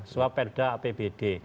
suap perda apbd